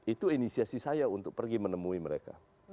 itu inisiasi saya untuk pergi menemui mereka